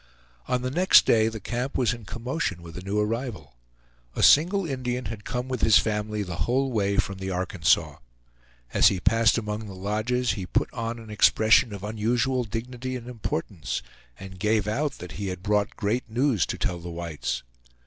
On the next day the camp was in commotion with a new arrival. A single Indian had come with his family the whole way from the Arkansas. As he passed among the lodges he put on an expression of unusual dignity and importance, and gave out that he had brought great news to tell the whites.